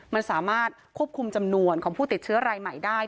มันสามารถควบคุมจำนวนของผู้ติดเชื้อรายใหม่ได้